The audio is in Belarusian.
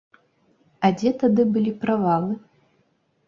А дзе тады былі правалы?